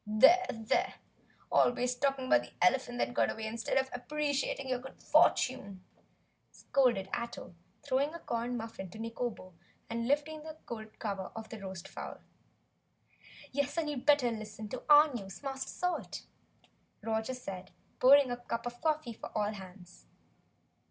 "There! There! Always talking about the elephant that got away instead of appreciating your good fortune!" scolded Ato, throwing a corn muffin down to Nikobo and lifting the gold cover off the roast fowl. "Yes, and you'd better listen to OUR news, Master Salt!" Roger said, pouring a cup of coffee for all hands.